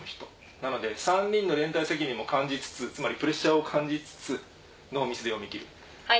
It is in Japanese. なので３人の連帯責任も感じつつつまりプレッシャーを感じつつノーミスで読み切る。